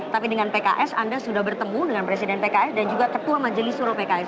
tapi dengan pks anda sudah bertemu dengan presiden pks dan juga ketua majelis suro pks